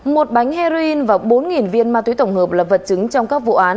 một bánh heroin và bốn viên ma túy tổng hợp là vật chứng trong các vụ án